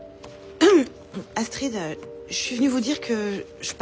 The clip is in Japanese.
うん。